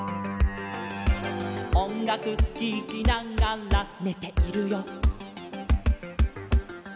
「おんがくききながらねているよ」